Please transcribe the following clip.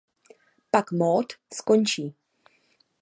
Pak mód skončí.